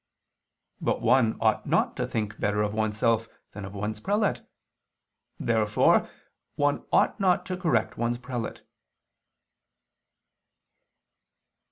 But one ought not to think better of oneself than of one's prelate. Therefore one ought not to correct one's prelate.